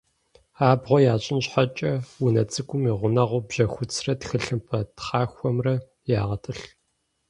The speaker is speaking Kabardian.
Абгъуэ ящӏын щхьэкӏэ унэ цӏыкӏум и гъунэгъуу бжьэхуцрэ тхылъымпӏэ тхъахуэхэмрэ ягъэтӏылъ.